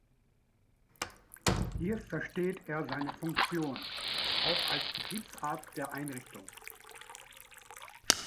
Hier versteht er seine Funktion auch als Betriebsarzt der Einrichtung.